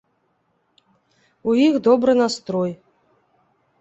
У іх добры настрой.